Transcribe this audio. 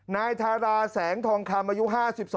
นายธาราแสงทองคามอายุ๕๒ปี